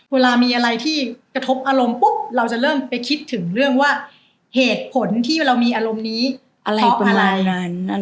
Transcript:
เวลามีอะไรที่กระทบอารมณ์ปุ๊บเราจะเริ่มไปคิดถึงเรื่องว่าเหตุผลที่เรามีอารมณ์นี้อะไรเพราะอะไร